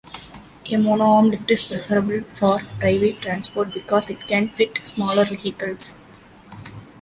A mono-arm Lift is preferable for private transport because it can fit smaller vehicles.